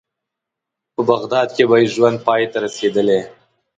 په بغداد کې به یې ژوند پای ته رسېدلی.